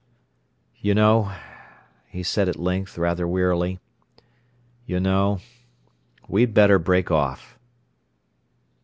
"You know," he said at length, rather wearily—"you know—we'd better break off."